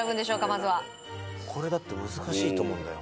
まずはこれだって難しいと思うんだよ